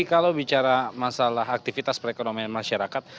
jadi kalau bicara masalah aktivitas perekonomian masyarakat